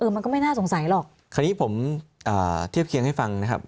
มันก็ไม่น่าสงสัยหรอกคราวนี้ผมอ่าเทียบเคียงให้ฟังนะครับ